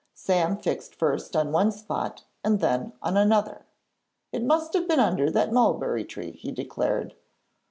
Sam fixed first on one spot and then on another it must have been under that mulberry tree, he declared.